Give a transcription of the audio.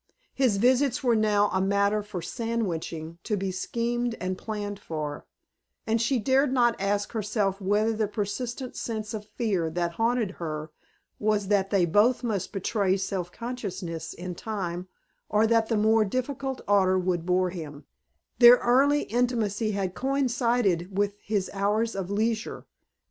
His visits were now a matter for "sandwiching," to be schemed and planned for, and she dared not ask herself whether the persistent sense of fear that haunted her was that they both must betray self consciousness in time, or that the more difficult order would bore him: their earlier intimacy had coincided with his hours of leisure.